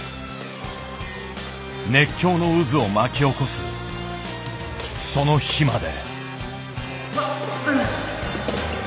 熱狂の渦を巻き起こすその日まで。